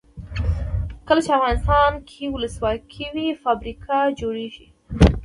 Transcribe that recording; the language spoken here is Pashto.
کله چې افغانستان کې ولسواکي وي فابریکې جوړیږي.